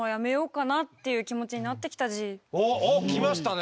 おっきましたね！